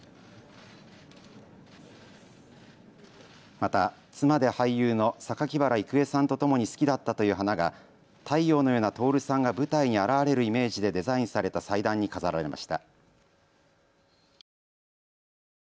また妻で俳優の榊原郁恵さんとともに好きだったという花が太陽のような徹さんが舞台に現れるイメージでデザインされた祭壇に飾られました。